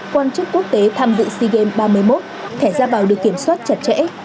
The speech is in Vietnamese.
quan chức quốc tế tham dự sea games ba mươi một thẻ ra vào được kiểm soát chặt chẽ